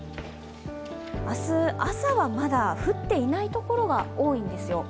明日、朝はまだ降っていないところが多いんですよ。